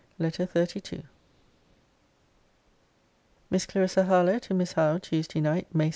LETTER XXXII MISS CLARISSA HARLOWE, TO MISS HOWE TUESDAY NIGHT, MAY 16.